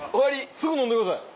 すぐ飲んでください。